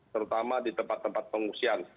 terutama di tempat tempat pengungsian